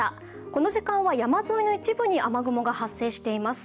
この時間は山沿いの一部に雨雲が発生しています。